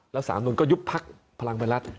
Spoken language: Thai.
แล้วสนามบินก็ยุบพักพลังไวรัฐ